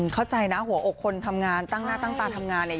เข้าใจนะหัวอกคนทำงานตั้งหน้าตั้งตาทำงานเนี่ย